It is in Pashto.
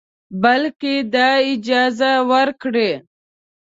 بلکې دا اجازه ورکړئ